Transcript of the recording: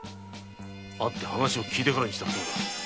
会って話を聞いてからにしたらどうだ。